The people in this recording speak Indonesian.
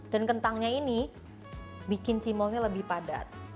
dan kentangnya ini bikin cimolnya lebih padat